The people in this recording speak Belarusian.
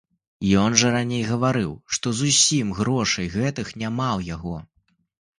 Ён жа раней гаварыў, што зусім грошай гэтых няма ў яго.